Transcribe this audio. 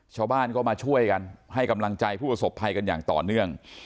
ชาวบ้านก็มาช่วยกันให้กำลังใจผู้ประสบภัยกันอย่างต่อเนื่อง